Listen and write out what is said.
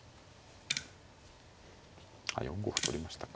４五歩取りましたか。